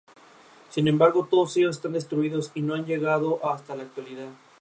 Sin embargo, todos ellos están destruidos y no han llegado hasta la actualidad.